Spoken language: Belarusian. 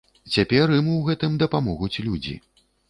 Цяпер ім у гэтым дапамогуць людзі.